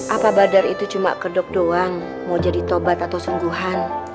apa badar itu cuma kedok doang mau jadi tobat atau sungguhan